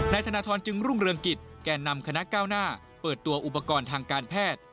ธนทรจึงรุ่งเรืองกิจแก่นำคณะก้าวหน้าเปิดตัวอุปกรณ์ทางการแพทย์